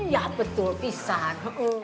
ya betul pisan